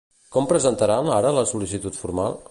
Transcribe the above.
Com presentaran ara la sol·licitud formal?